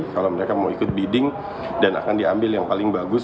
kalau mereka mau ikut bidding dan akan diambil yang paling bagus